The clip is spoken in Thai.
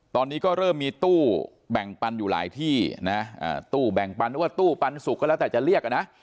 ตอนนี้ก็เริ่มมีตู้แบ่งปันอยู่หลายที่นะตู้แบ่งปันหรือว่าตู้ปันสุกก็แล้วแต่จะเรียกอ่ะนะ